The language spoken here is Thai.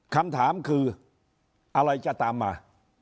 คำถามคืออะไรจะตามมา